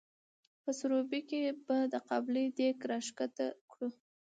په سروبي کې به د قابلي دیګ را ښکته کړو؟